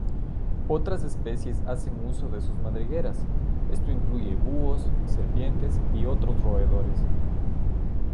Otras especies hacen uso de sus madrigueras, esto incluye búhos, serpientes y otros roedores.